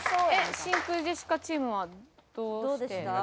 真空ジェシカチームはどうして？